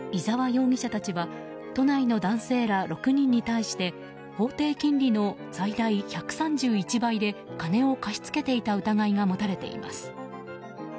容疑者たちは都内の男性ら６人に対して法定金利の最大１３１倍で金を貸し付けていた疑いが持たれています。